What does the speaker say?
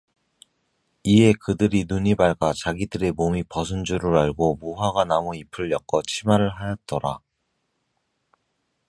이에 그들의 눈이 밝아 자기들의 몸이 벗은 줄을 알고 무화과나무 잎을 엮어 치마를 하였더라